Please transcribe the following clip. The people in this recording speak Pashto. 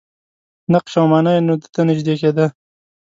نقش او معنا یې نو ته نژدې کېږي.